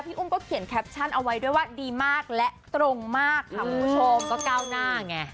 อุ้มก็เขียนแคปชั่นเอาไว้ด้วยว่าดีมากและตรงมากค่ะคุณผู้ชมก็ก้าวหน้าไง